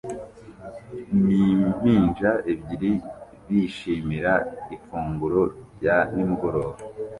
nimpinja ebyiri bishimira ifunguro rya nimugoroba